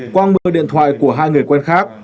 quang đưa điện thoại của hai người quen khác